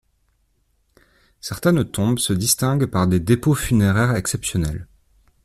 Certaines tombes se distinguent par des dépôts funéraires exceptionnels.